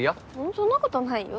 そんなことないよ。